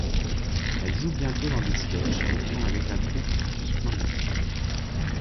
Elle joue bientôt dans des sketchs et tourne avec la troupe du Splendid.